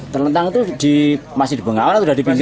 terlentang itu masih di bengawan atau di pinggir